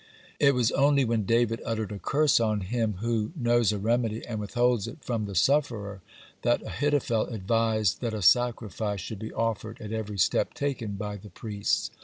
It was only when David uttered a curse on him who knows a remedy and withholds it from the sufferer, that Ahithophel advised that a sacrifice should be offered at every step taken by the priests.